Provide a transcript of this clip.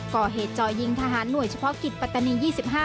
ก่อเหตุจ่อยิงทหารหน่วยเฉพาะกิจปัตตานี๒๕